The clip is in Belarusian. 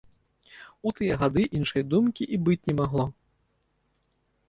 У тыя гады іншай думкі і быць не магло.